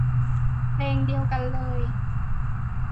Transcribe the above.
เพลงเดียวกันเลย